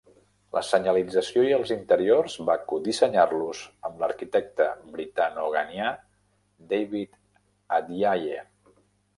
La senyalització i els interiors va codissenyar-los amb l'arquitecte britano-ganià David Adjaye.